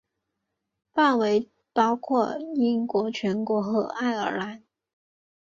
范围包括英国全国和爱尔兰。